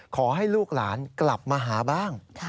ขอให้ลูกหลานกลับมาหาบ้าง